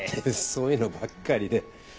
そういうのばっかりで。